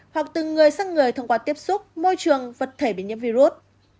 hoặc từ người sang người thông qua tiếp xúc môi trường vật thể bị nhiễm virus